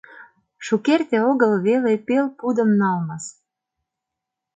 — Шукерте огыл веле пел пудым налмыс.